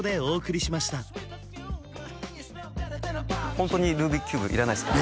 ホントにルービックキューブいらないですか？